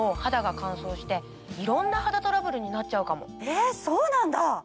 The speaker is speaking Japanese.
えっそうなんだ！